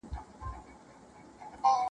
o د کلي بازار کي خلک د اخبار په اړه پوښتنه کوي,